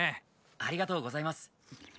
ありがとうございます。